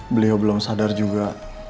beliau belum sadar juga